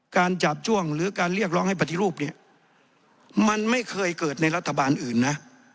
จาบจ้วงหรือการเรียกร้องให้ปฏิรูปเนี่ยมันไม่เคยเกิดในรัฐบาลอื่นนะ